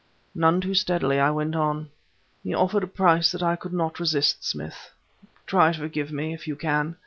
None too steadily I went on: "He offered a price that I could not resist, Smith. Try to forgive me, if you can.